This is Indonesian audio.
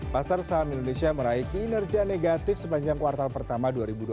pasar saham indonesia meraih kinerja negatif sepanjang kuartal pertama dua ribu dua puluh satu